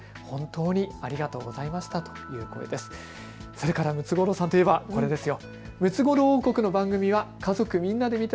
それからムツゴロウさんといえばこれですよ。